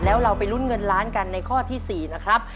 แล้วเราไปลุ้นเงินล้านกันในข้อที่๔นะครับ